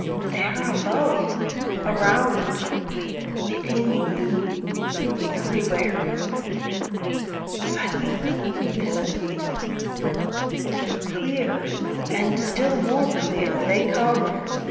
They are above, around, within you, everywhere. Silently listen! Clear, and still more clear, they come.